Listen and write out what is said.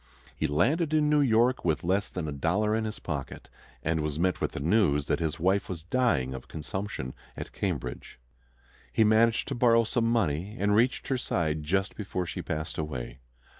He landed in New York with less than a dollar in his pocket, and was met with the news that his wife was dying of consumption at Cambridge. He managed to borrow some money, and reached her side just before she passed away.